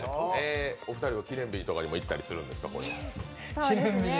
お二人の記念日とかでも行ったりするんですか、こちらに。